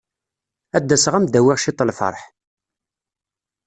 Ad d-aseɣ ad am-d-awiɣ ciṭ n lferḥ.